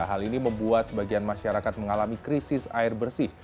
hal ini membuat sebagian masyarakat mengalami krisis air bersih